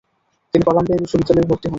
তিনি কলাম্বিয়া বিশ্ববিদ্যালয়ে ভর্তি হন।